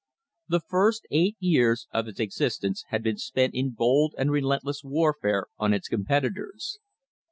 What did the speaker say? The first eight years of its existence had been spent in bold and relentless warfare on its competitors.